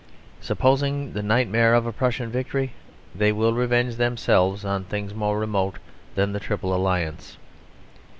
Supposing the nightmare of a Prussian victory, they will revenge themselves on things more remote than the Triple Alliance.